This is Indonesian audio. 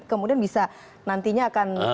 kemudian bisa nantinya akan